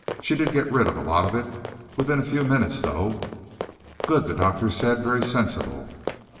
"She did get rid of a lot of it within a few minutes, though." "Good," the doctor said. "Very sensible."